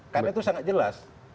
karena itu sangat jelas